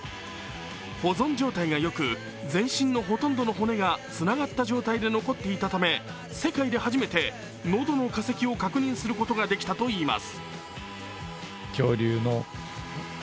保存状態がよく、全身のほとんどの骨がつながった状態で残っていたため、世界で初めて喉の化石を確認することができたといいます。